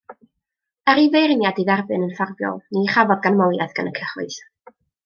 Er i feirniaid ei dderbyn yn ffafriol, ni chafodd ganmoliaeth gan y cyhoedd.